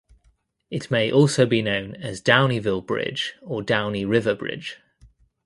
It may also be known as Downieville Bridge or Downie River Bridge.